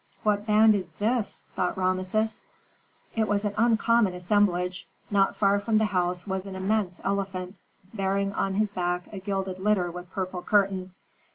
"What band is this?" thought Rameses. It was an uncommon assemblage. Not far from the house was an immense elephant, bearing on his back a gilded litter with purple curtains.